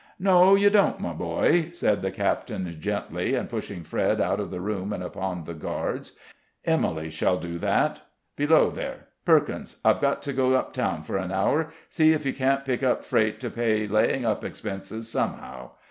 "No, you don't, my boy," said the captain, gently, and pushing Fred out of the room and upon the guards. "Emily shall do that. Below there! Perkins, I've got to go uptown for an hour; see if you can't pick up freight to pay laying up expenses somehow.